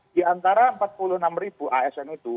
di antara empat puluh enam ribu asn itu